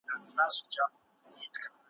راغلی مه وای د وطن باده `